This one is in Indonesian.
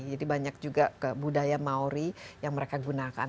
jadi banyak juga budaya maori yang mereka gunakan